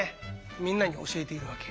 みんなに教えているわけ。